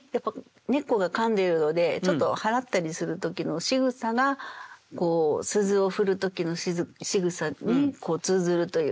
根っこがかんでるのでちょっと払ったりする時のしぐさが鈴を振る時のしぐさに通ずるというか。